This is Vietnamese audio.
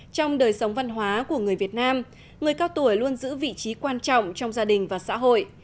trong đời sống văn hóa của người việt nam người cao tuổi luôn giữ vị trí quan trọng trong gia đình và xã hội